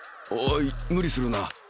おい無理するな。